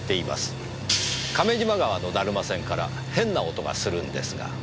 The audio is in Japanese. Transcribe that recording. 亀島川のだるま船から変な音がするんですが。